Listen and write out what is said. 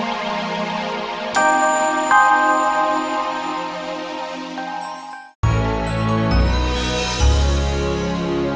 anda bersama dengan saya